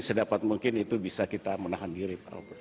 sedapat mungkin itu bisa kita menahan diri